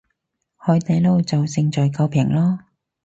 海底撈就勝在夠平囉